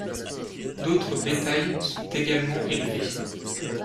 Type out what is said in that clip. D'autres bétail sont également élevés.